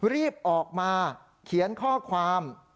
รีบออกมาเขียนข้อความ